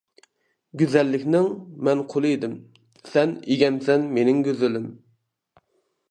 گۈزەللىكنىڭ مەن قۇلى ئىدىم، سەن ئىگەمسەن مېنىڭ گۈزىلىم.